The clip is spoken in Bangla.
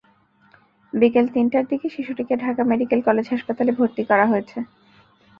বিকেল তিনটার দিকে শিশুটিকে ঢাকা মেডিকেল কলেজ হাসপাতালে ভর্তি করা হয়েছে।